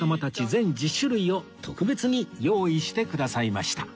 全１０種類を特別に用意してくださいました